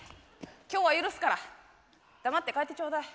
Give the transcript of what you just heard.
今日は許すから黙って帰ってちょうだい。